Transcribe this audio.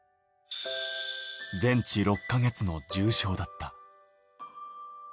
全治６か月の重傷だった。